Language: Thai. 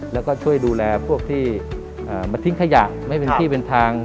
แล้วก็ช่วยดูแลพวกที่มาทิ้งขยะไม่เป็นที่เป็นทาง